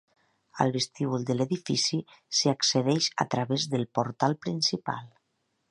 Al vestíbul de l'edifici s'hi accedeix a través del portal principal.